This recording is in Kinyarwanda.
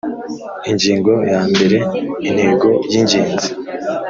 Ingingo ya mbere Intego y ingenzi